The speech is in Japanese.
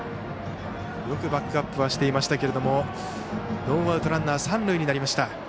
よくバックアップはしていましたけどもノーアウト、ランナー、三塁になりました。